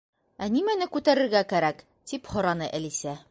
—Ә нимәне күтәрергә кәрәк? —тип һораны Әлисә.